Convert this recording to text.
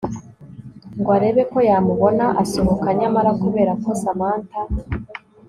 ngo arebe ko yamubona asohoka nyamara kubera ko Samantha